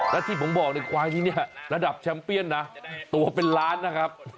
และที่ผมบอกในควายที่นี่ระดับแชมป์เปียนนะตัวเป็นล้านนะครับ